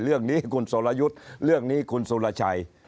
เรื่องนี้คุณสรยุทธ์เรื่องนี้คุณสุรชัย